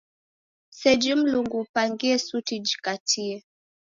Seji Mlungu upangie suti jikatie.